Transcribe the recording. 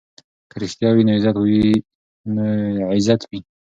که رښتیا وي نو عزت وي.